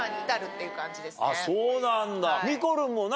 あっそうなんだ。